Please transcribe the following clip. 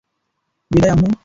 বিদায়, আম্মু!